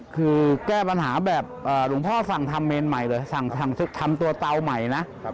คือแก้ปัญหาแบบหลวงพ่อสั่งทำเมนใหม่เลยสั่งทำตัวเตาใหม่นะ